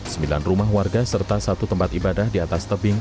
sembilan rumah warga serta satu tempat ibadah di atas tebing